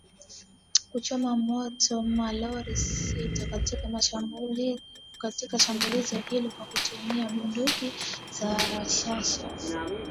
kuchoma moto malori sita katika shambulizi hilo kwa kutumia bunduki za rashasha